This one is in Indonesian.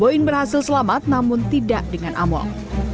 boin berhasil selamat namun tidak dengan among